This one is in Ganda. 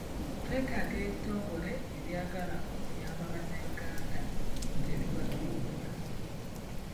Twetaaga ebitongole abyagala okuyamba bannayuganda tebibatulugunya.